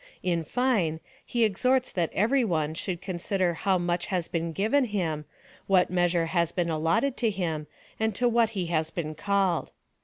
In fine, he exhorts that every one should consider how much has been given him, what measure has been allotted to him, and to what he has been called.